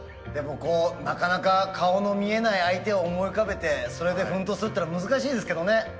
でもこうなかなか顔の見えない相手を思い浮かべてそれで奮闘するっていうのは難しいですけどね。